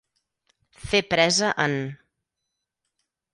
Fer presa en.